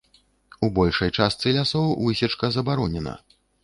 У большай частцы лясоў высечка забаронена.